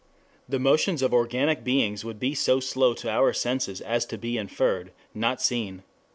The motions of organic beings would be so slow to our senses as to be inferred, not seen.